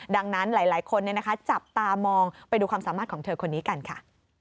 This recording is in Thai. ดังนั้นหลายคนจับตามองไปดูความสามารถของเธอคนนี้กันค่ะ